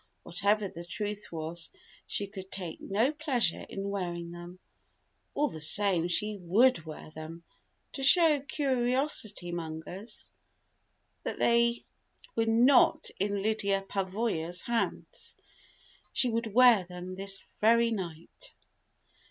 Whatever the truth was, she could take no pleasure in wearing them. All the same, she would wear them, to show curiosity mongers that they were not in Lyda Pavoya's hands. She would wear them this very night.